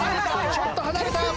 ちょっと離れた！